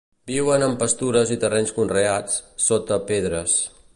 Viuen en pastures i terrenys conreats, sota pedres.